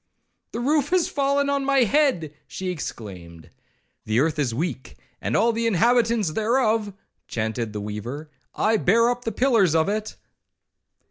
—'The roof has fallen on my head!' she exclaimed. 'The earth is weak, and all the inhabitants thereof,' chaunted the weaver; 'I bear up the pillars of it.'